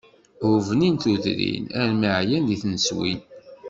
Ur bnin tudrin, armi ɛyan di tneswin.